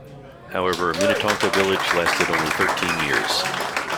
However, Minnetonka Village lasted only thirteen years.